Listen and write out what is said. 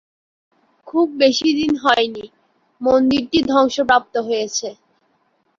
খুব বেশিদিন হয়নি মন্দিরটি ধ্বংসপ্রাপ্ত হয়েছে।